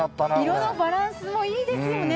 色のバランスもいいですよね。